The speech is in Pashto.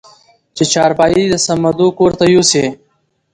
چې چارپايي د صمدو کورته يوسې؟